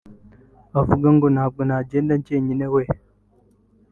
avuga ngo “ntabwo nagenda njyenyine weeee